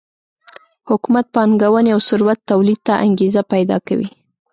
حکومت پانګونې او ثروت تولید ته انګېزه پیدا کوي